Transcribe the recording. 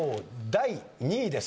第２位です。